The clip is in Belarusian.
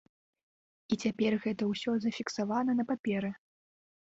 І цяпер гэта ўсё зафіксавана на паперы.